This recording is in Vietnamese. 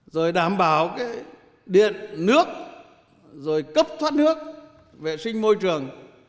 rồi đảm bảo cái điện nước rồi cấp thoát nước vệ sinh môi trường